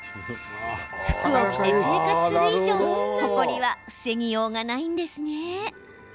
服を着て生活する以上ほこりは防ぎようないんですね。